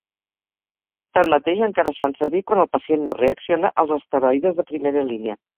Tanmateix, encara es fan servir quan el pacient no reacciona als esteroides de primera línia.